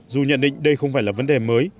dù nhận định đây không phải là vấn đề mới